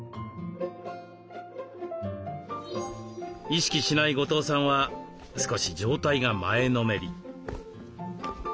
意識しない後藤さんは少し上体が前のめり。